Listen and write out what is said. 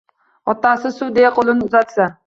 Otasi: — Suv! – deya qo’lin uzatsa